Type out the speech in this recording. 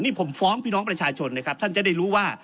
นี่ผมฟ้องพี่น้องประชาชนนะครับท่านจะได้รู้ว่า